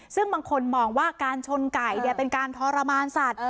ซึ่งบางคนมองว่าการชนไก่เป็นการทรมานสัตว์